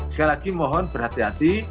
sekali lagi mohon berhati hati